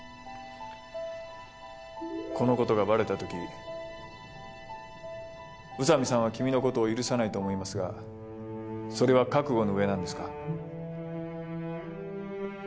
このことがばれたとき宇佐美さんは君のことを許さないと思いますがそれは覚悟の上なんですか？